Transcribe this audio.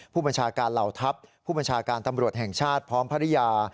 ผู้บัญชาการเหล่าทัพผู้บัญชาการตำรวจแห่งชาติพร้อมภรรยา